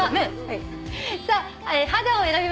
さあ「肌」を選びました